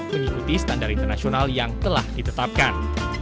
mengikuti standar internasional yang telah ditetapkan